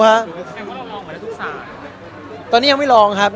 คว่าตอนนี้ก็ไม่ลองครับ